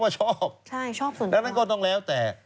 ชอบสุดท้าย